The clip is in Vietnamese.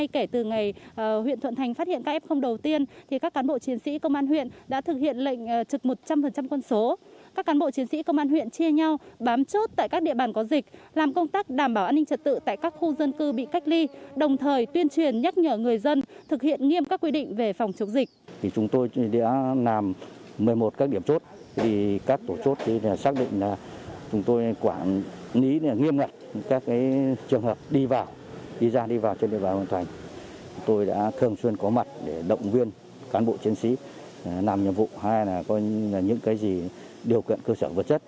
chúng tôi đã thường xuyên có mặt để động viên cán bộ chiến sĩ làm nhiệm vụ hay là có những cái gì điều kiện cơ sở vật chất